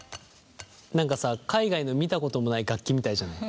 何かさ海外の見たこともない楽器みたいじゃない。